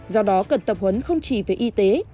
do đó cần tập huấn không chỉ về y tế